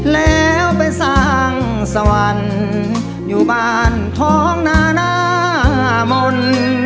แล้วไปสร้างสวรรค์อยู่บ้านท้องนานามนต์